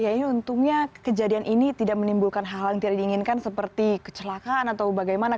ya ini untungnya kejadian ini tidak menimbulkan hal hal yang tidak diinginkan seperti kecelakaan atau bagaimana